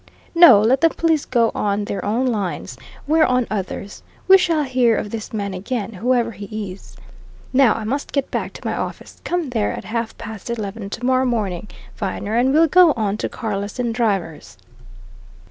No, let the police go on their own lines we're on others. We shall hear of this man again, whoever he is. Now I must get back to my office come there at half past eleven tomorrow morning, Viner, and we'll go on to Carless and Driver's."